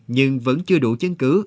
nhưng vẫn chưa đủ chứng cứ